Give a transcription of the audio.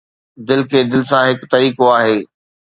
دل کي دل سان هڪ طريقو آهي